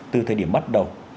từ thời điểm bắt đầu